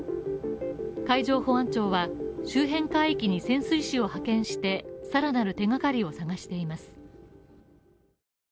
海上保安庁は周辺海域に潜水士を派遣して、さらなる手がかりを捜しています。